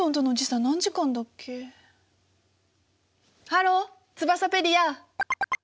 ハローツバサペディア！